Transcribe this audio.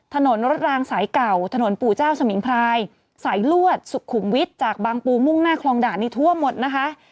ถนนรถรางสายเก่าถนนปู่เจ้าสมิงพรายสายลวดสุขุมวิทย์จากบางปูมุ่งหน้าคลองด่านนี้ทั่วหมดนะคะ